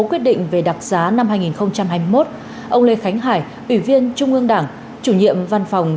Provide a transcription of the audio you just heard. quyết định về đặc giá năm hai nghìn hai mươi một ông lê khánh hải ủy viên trung ương đảng chủ nhiệm văn phòng